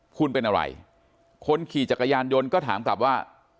คุณเป็นอะไรคนขี่จักรยานยนต์ก็ถามกลับว่า